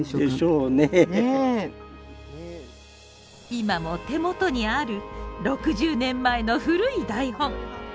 今も手元にある６０年前の古い台本。